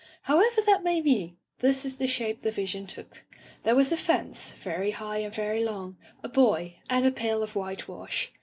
However that may be, this is the shape the vision took. There was a fence, very high and very long, a boy, and a pail of white wash.